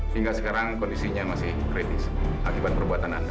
hingga sekarang kondisinya masih kritis akibat perbuatan anda